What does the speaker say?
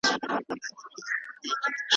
انسان باید تل تعلیم وکړي.